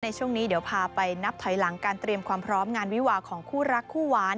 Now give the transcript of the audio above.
ช่วงนี้เดี๋ยวพาไปนับถอยหลังการเตรียมความพร้อมงานวิวาของคู่รักคู่หวาน